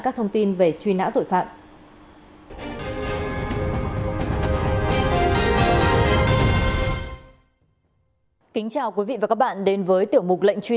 các thông tin về truy nã tội phạm